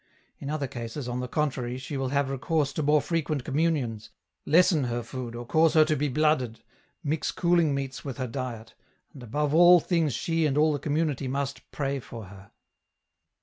In other cases, on the contrary, she will have recourse to more frequent communions, lessen her food or cause her to be blooded, mix cooling meats with her diet, and above all things she and all the community must pray for her.